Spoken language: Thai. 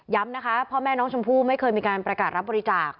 นะคะพ่อแม่น้องชมพู่ไม่เคยมีการประกาศรับบริจาค